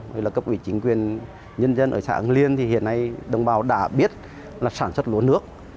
hay là cấp ủy chính quyền nhân dân ở xã ứng liên thì hiện nay đồng bào đã biết là sản xuất lúa nước